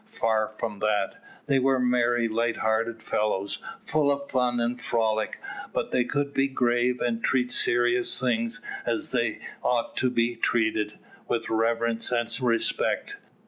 Far from that. They were merry, light hearted fellows, full of fun and frolic, but they could be grave, and treat serious things as they ought to be treated, with reverence and respect.